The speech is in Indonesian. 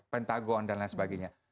pentagon dan lain sebagainya